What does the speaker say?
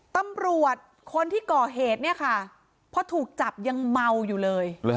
ตำรวจคนที่ก่อเหตุเนี่ยค่ะพอถูกจับยังเมาอยู่เลย